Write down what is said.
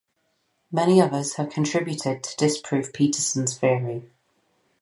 Many others have contributed to disprove Petersen's theory.